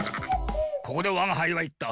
ここでわがはいはいった。